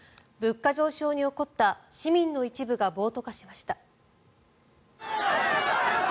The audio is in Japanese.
物価上昇に怒った市民の一部が暴徒化しました。